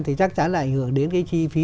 thì chắc chắn là ảnh hưởng đến cái chi phí